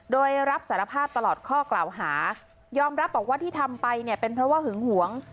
โดยรับสารภาพตลอดข้อกล่าวหายอมรับบอกว่าที่ทำไปเนี่ยเป็นเพราะว่าหึงหวง